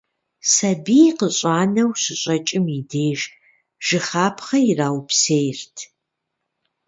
Сабий къыщӀанэу щыщӀэкӀым и деж, жыхапхъэ ираупсейрт.